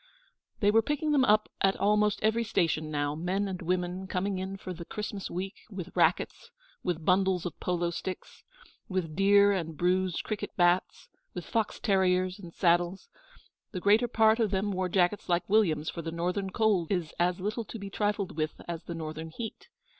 They were picking them up at almost every station now men and women coming in for the Christmas Week, with racquets, with bundles of polo sticks, with dear and bruised cricket bats, with fox terriers and saddles. The greater part of them wore jackets like William's, for the Northern cold is as little to be trifled with as the Northern heat.